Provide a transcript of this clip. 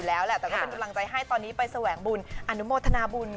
อัพลังใจให้ตอนนี้ไปแสวงบุญอนุโมทนาบุญ